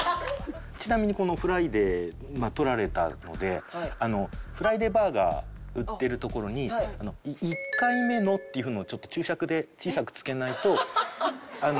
ちなみにこの『ＦＲＩＤＡＹ』撮られたのでフライデーバーガー売ってるところに「１回目の」っていうのをちょっと注釈で小さくつけないと。